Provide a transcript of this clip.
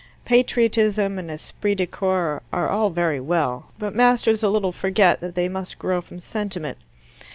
Patriotism and esprit de corps are all very well, but masters a little forget that they must grow from sentiment.